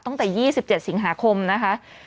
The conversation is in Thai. ตั้งแต่๒๗สิงหาคมนะคะ